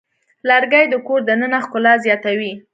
لرګی د کور دننه ښکلا زیاتوي.